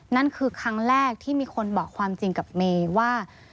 นั่นคือครั้งแรกที่มีคนบอกความจริงกับเมย์ว่า